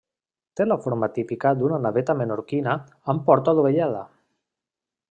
Té la forma típica d'una naveta menorquina amb porta dovellada.